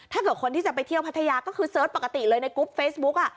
ถ้าเกิดคนที่จะไปเที่ยวพัทยาก็คือเสิร์ชปกติเลยในกรุ๊ปเฟซบุ๊ก